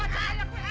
ajak kaya gue